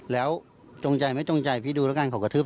แล้วจงใจไม่จงใจพี่ดูแล้วกันเขากระทืบ